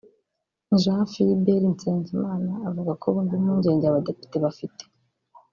Jean Philbert Nsengimana avuga ko bumva impungenge Abadepite bafite